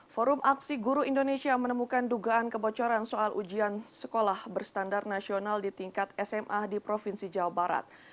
forum aksi guru indonesia menemukan dugaan kebocoran soal ujian sekolah berstandar nasional di tingkat sma di provinsi jawa barat